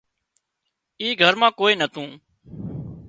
اي گھر مان ڪوئي نتون